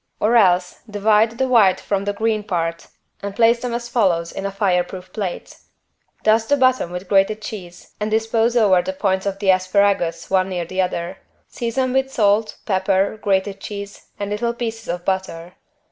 Or else divide the white from the green part and place them as follows in a fireproof plate: Dust the bottom with grated cheese and dispose over the points of the asparagus one near the other; season with salt, pepper, grated cheese and little pieces of butter.